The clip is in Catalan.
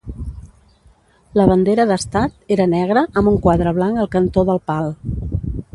La bandera d'estat era negra amb un quadre blanc al cantó del pal.